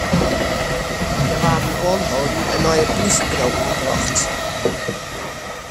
Hja waarden oanholden en nei it polysjeburo oerbrocht.